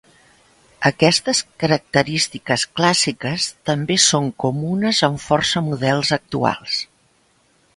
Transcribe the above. Aquestes característiques clàssiques també són comunes en força models actuals.